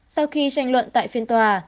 sau khi tranh luận tại phiên tòa